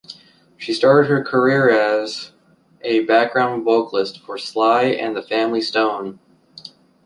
She started her career as a background vocalist for Sly and The Family Stone.